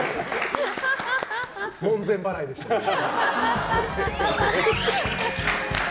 門前払いでしたけど。